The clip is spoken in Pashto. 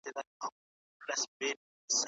ایا محصلین د تاریخ له لیکنې سره اشنا دي؟